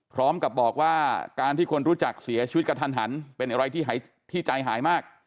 พร้อมกับบอกว่าการที่คนรู้จักเสียชีวิตกระทันหันเป็นอะไรที่ใจหายมาก